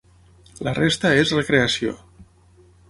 La resta és recreació.